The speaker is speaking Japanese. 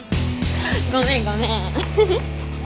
ごめんごめん。